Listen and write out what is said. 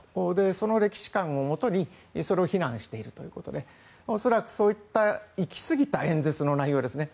その歴史観をもとにそれを非難しているということで恐らくそういった行きすぎた演説の内容ですね。